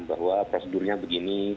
bahwa prosedurnya begini